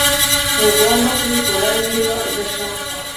ntugomba kubikora niba udashaka